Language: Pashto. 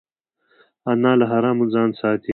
انا له حرامو ځان ساتي